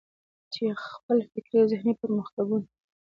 چې خپل فکري او ذهني پرمختګونه.